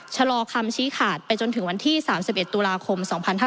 ชะลอคำชี้ขาดไปจนถึงวันที่๓๑ตุลาคม๒๕๕๙